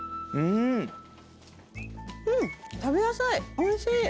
おいしい。